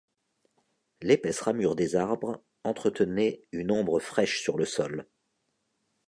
L’épaisse ramure des arbres entretenait une ombre fraîche sur le sol